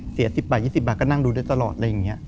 ๑๐บาท๒๐บาทก็นั่งดูได้ตลอดอะไรอย่างนี้